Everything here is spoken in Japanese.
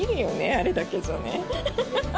あれだけじゃね。